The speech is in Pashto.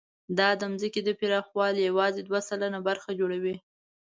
دا د ځمکې د پراخوالي یواځې دوه سلنه برخه جوړوي.